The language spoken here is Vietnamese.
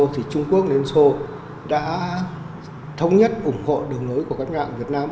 trung quốc đến sô đã thống nhất ủng hộ đường lối của các ngạc việt nam